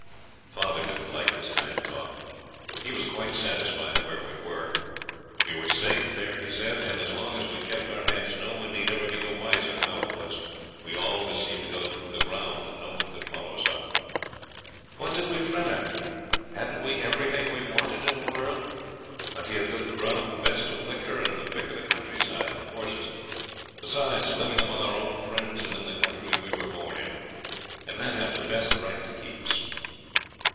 Father didn't like this kind of talk. He was quite satisfied where we were. We were safe there, he said; and, as long as we kept our heads, no one need ever be the wiser how it was we always seemed to go through the ground and no one could follow us up. What did we fret after? Hadn't we everything we wanted in the world plenty of good grub, the best of liquor, and the pick of the countryside for horses, besides living among our own friends and in the country we were born in, and that had the best right to keep us.